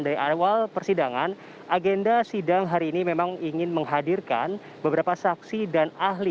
dari awal persidangan agenda sidang hari ini memang ingin menghadirkan beberapa saksi dan ahli